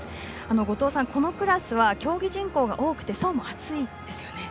後藤さん、このクラスは競技人口が多くて層も厚いんですよね。